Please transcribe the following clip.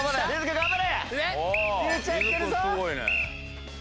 頑張れ。